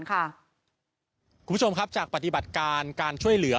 คุณผู้ชมครับจากปฏิบัติการการช่วยเหลือ